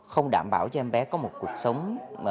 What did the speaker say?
không đảm bảo cho em bé có một cuộc sống